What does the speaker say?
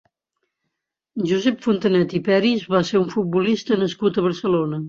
Josep Fontanet i Peris va ser un futbolista nascut a Barcelona.